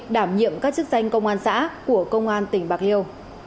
đảm nhiệm các chức danh công an xã của công an tỉnh bạc liêu